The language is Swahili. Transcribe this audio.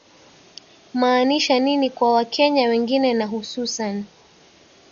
maanisha nini kwa wakenya wengine na hususan